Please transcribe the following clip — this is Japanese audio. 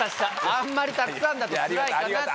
あんまりたくさんだとつらいかなって。